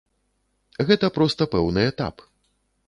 Гэта проста пэўны этап.